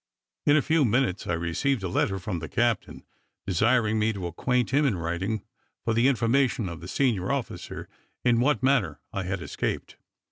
In a few minutes, I received a letter from the captain, desiring me to acquaint him in writing, for the information of the senior officer, in what manner I had escaped.